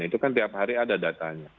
itu kan tiap hari ada datanya